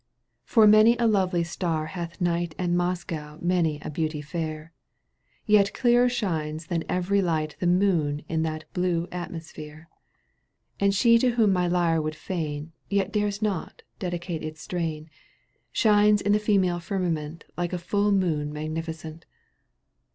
ГиП many a lovely star hath night And Moscow many a beauty fair : Yet clearer shines than every light The moon in the blue atmosphere. And she to whom my lyre would fain, Yet dares no^, dedicate its strain, Shines in the female firmament like a full moon magnificent.